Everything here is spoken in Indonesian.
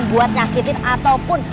buat nyakitin ataupun